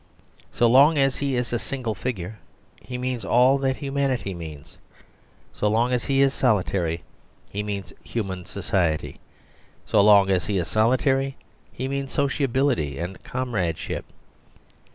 So long as he is a single figure he means all that humanity means; so long as he is solitary he means human society; so long as he is solitary he means sociability and comradeship.